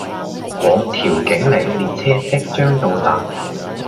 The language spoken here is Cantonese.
往調景嶺列車即將到達